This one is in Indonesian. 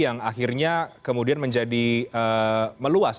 yang akhirnya kemudian menjadi meluas